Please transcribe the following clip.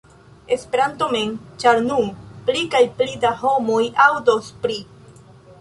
Esperanto mem, ĉar nun pli kaj pli da homoj aŭdos pri